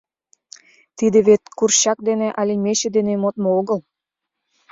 Тиде вет курчак дене але мече дене модмо огыл.